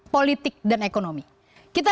politik dan ekonomi kita